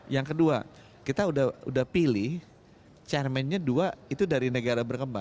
yang kedua kita udah pilih chairmannya dua itu dari negara berkembang